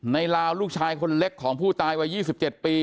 ลาวลูกชายคนเล็กของผู้ตายวัย๒๗ปี